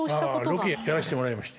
ロケやらせてもらいまして。